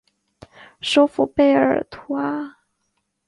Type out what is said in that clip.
首府贝尔图阿。